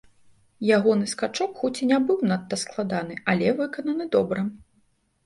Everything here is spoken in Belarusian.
Ягоны скачок хоць і не быў надта складаны, але выкананы добра.